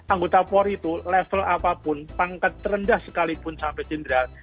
anggota polri itu level apapun pangkat terendah sekalipun sampai jenderal